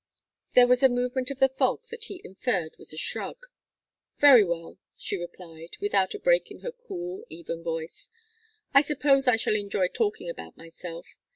There was a movement of the fog that he inferred was a shrug. "Very well," she replied, without a break in her cool even voice. "I suppose I shall enjoy talking about myself.